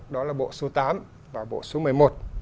đó là bộ số tám và bộ số một mươi một